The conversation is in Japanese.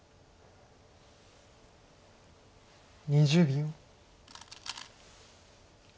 ２０秒。